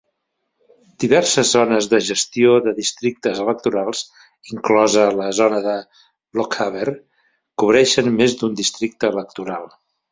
Diverses zones de gestió de districtes electorals, inclosa la zona de Lochaber, cobreixen més d'un districte electoral.